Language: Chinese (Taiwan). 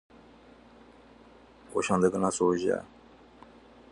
我再跟他說一下